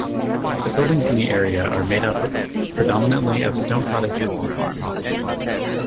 The buildings in the area are made up predominantly of stone cottages and farms.